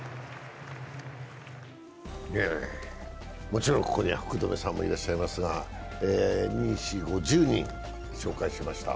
もちろんここには福留さんもいらっしゃいますが１０人紹介しました。